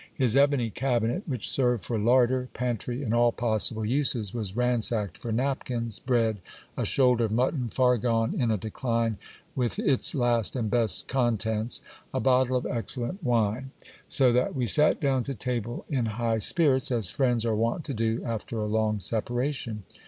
His ebony cabinet, which served for larder, pantry, and all possible uses, was ransacked for napkins, bread, a shoulder of mutton far gone in a decline, with its last and best con tents, a bottle of excellent wine ; so that we sat down to table in high spirits, as friends are wont to do after a long separation.